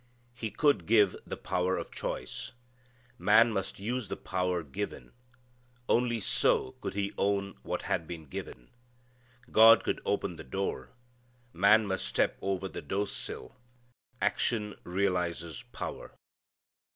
He could give the power of choice. Man must use the power given. Only so could he own what had been given. God could open the door. Man must step over the door sill. Action realizes power.